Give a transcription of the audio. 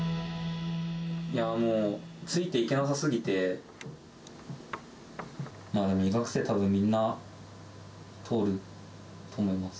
いやもう、ついていけなさすぎて、医学生たぶんみんな通ると思います。